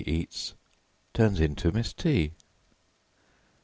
eats Turns into Miss T.